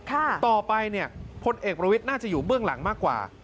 ต่อไปเนี่ยพลเอกประวิทย์น่าจะอยู่เบื้องหลังมากกว่า